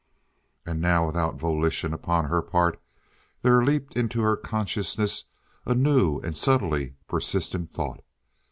And now without volition upon her part there leaped into her consciousness a new and subtly persistent thought.